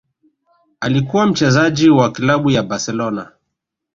Alikuwa mchezaji wa klabu ya Barcelona